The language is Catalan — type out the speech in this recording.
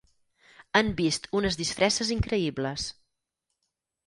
Han vist unes disfresses increïbles.